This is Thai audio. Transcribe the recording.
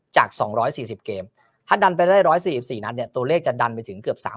จาก๒๔๐เกมถ้าดันไปได้๑๔๔นัดเนี่ยตัวเลขจะดันไปถึงเกือบ๓๐